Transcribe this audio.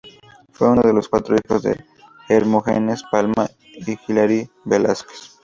Fue uno de los cuatro hijos de Hermógenes Palma e Hilaria Velásquez.